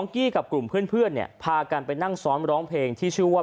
กี้กับกลุ่มเพื่อนเนี่ยพากันไปนั่งซ้อมร้องเพลงที่ชื่อว่า